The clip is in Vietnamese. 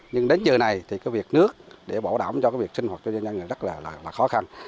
nhưng đến giờ này thì cái việc nước để bảo đảm cho cái việc sinh hoạt cho dân nhân là rất là khó khăn